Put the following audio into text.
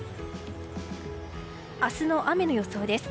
明日の雨の予想です。